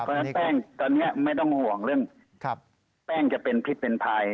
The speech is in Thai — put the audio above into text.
เพราะฉะนั้นแป้งตอนนี้ไม่ต้องห่วงเรื่องแป้งจะเป็นพิษเป็นภัย